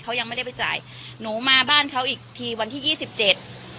เขายังไม่ได้ไปจ่ายหนูมาบ้านเขาอีกทีวันที่ยี่สิบเจ็ด